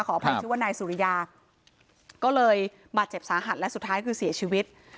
ขออภัยชื่อว่านายสุริยาก็เลยบาดเจ็บสาหัสและสุดท้ายคือเสียชีวิต